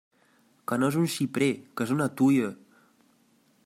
Que no és un xiprer, que és una tuia!